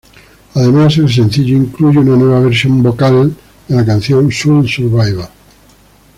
Además, el sencillo incluye una nueva versión vocal de la canción "Soul Survivor".